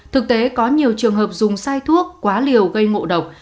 thực tế có nhiều trường hợp dùng sai thuốc quá liều gây ngộ độc